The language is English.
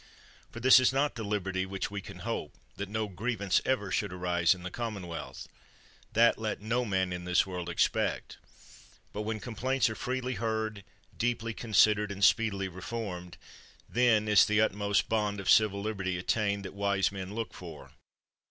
For this is not the liberty which we can hope, that no grievance ever should arise in the commonwealth — that let no man in this world expect; but when com plaints are freely heard, deeply considered and speedily reformed, then is the utmost bound of civil liberty attained that wise men look for.